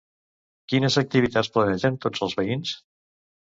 Quines activitats planegen tots els veïns?